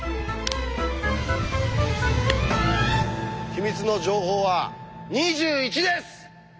秘密の情報は２１です！